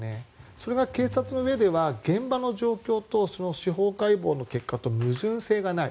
それが警察のうえでは現場の状況と司法解剖の結果と矛盾性がない。